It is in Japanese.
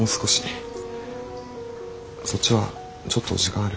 そっちはちょっと時間ある？